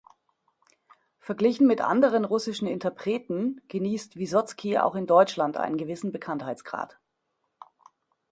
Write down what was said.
Verglichen mit anderen russischen Interpreten, genießt Wyssozki auch in Deutschland einen gewissen Bekanntheitsgrad.